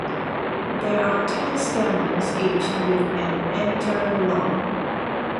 There are ten stamens each with an anther long.